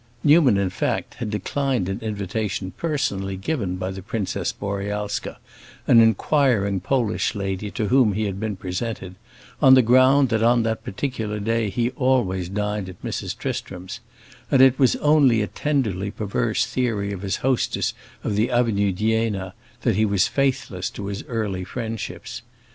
Newman, in fact, had declined an invitation personally given by the Princess Borealska, an inquiring Polish lady to whom he had been presented, on the ground that on that particular day he always dined at Mrs. Tristram's; and it was only a tenderly perverse theory of his hostess of the Avenue d'Iéna that he was faithless to his early friendships.